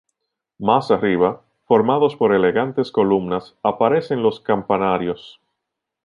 Más arriba, formados por elegantes columnas, aparecen los campanarios.